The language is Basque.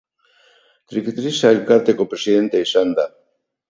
Trikitixa Elkarteko presidentea izan da.